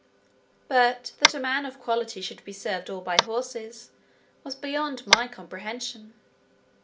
But, that a man of quality should be served all by horses, was beyond my comprehension.